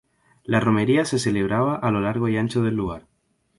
La Romería se celebraba a lo largo y ancho del lugar.